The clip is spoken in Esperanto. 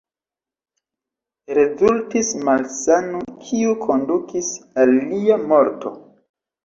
Rezultis malsano, kiu kondukis al lia morto.